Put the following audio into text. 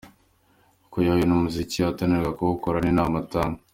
Uko yahuye numuziki akanatangira kuwukora ninama atanga.